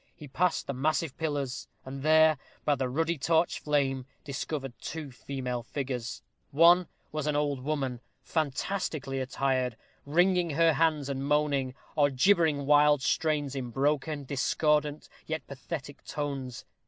He passed the massive pillars, and there, by the ruddy torch flame, discovered two female figures. One was an old woman, fantastically attired, wringing her hands, and moaning, or gibbering wild strains in broken, discordant, yet pathetic tones.